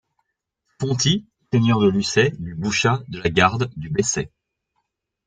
Fontis, seigneurs de Luçay, du Bouchat, de La Garde, du Bessay.